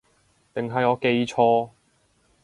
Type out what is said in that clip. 定係我記錯